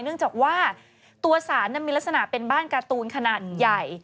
เนื่องจากว่าตัวสารมีลักษณะเป็นบ้านการ์ตูนขนาดใหญ่